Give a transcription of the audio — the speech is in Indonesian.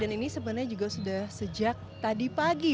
dan ini sebenarnya juga sudah sejak tadi pagi